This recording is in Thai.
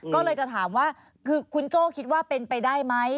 ก็เลยจะถามว่าคือคุณโจ้คิดว่าเป็นไปได้ไหม